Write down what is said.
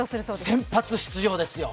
先発出場ですよ